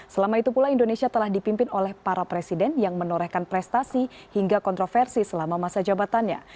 selama itu pula indonesia telah dipimpin oleh para presiden yang menorehkan prestasi hingga kontroversi selama masa jabatannya